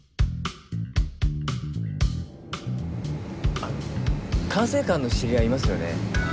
あの管制官の知り合いいますよね？